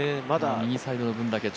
右サイドの分だけ。